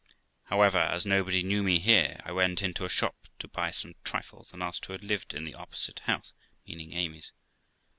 However, as nobody knew me here, I went into a shop to buy some trifles, and asked who had lived in the opposite house (meaning Amys).